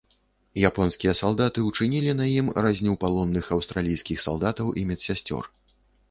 Японскія салдаты учынілі на ім разню палонных аўстралійскіх салдатаў і медсясцёр.